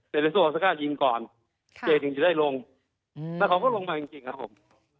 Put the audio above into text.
เซรสโทรศักดิ์ยิงก่อนค่ะถึงจะได้ลงอืมแต่เขาก็ลงมาจริงจริงครับผม